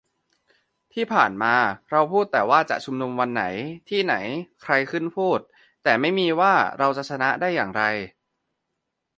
ที่ผ่านมาเราพูดแต่ว่าจะชุมนุมวันไหน ที่ไหน ใครขึ้นพูด แต่ไม่มีว่า เราจะชนะได้อย่างไร